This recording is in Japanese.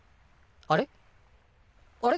あれ？